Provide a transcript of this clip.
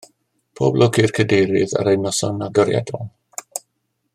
Pob lwc i'n cadeirydd ar ei noson agoriadol